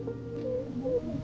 oke yuk jalan